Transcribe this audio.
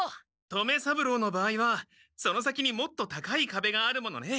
留三郎の場合はその先にもっと高いかべがあるものね。